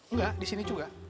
enggak disini juga